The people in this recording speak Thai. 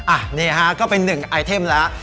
อันนี้ฮะก็เป็น๑ไอเทมแล้ว